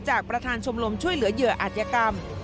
ประธานชมรมช่วยเหลือเหยื่ออาจยกรรม